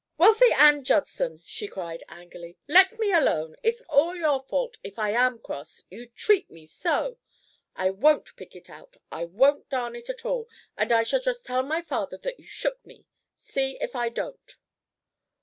"Wealthy Ann Judson!" she cried, angrily. "Let me alone. It's all your fault if I am cross, you treat me so. I won't pick it out. I won't darn it at all. And I shall just tell my father that you shook me; see if I don't."